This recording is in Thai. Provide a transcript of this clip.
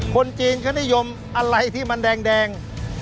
คนจีนเขานิยมอะไรที่มันแดง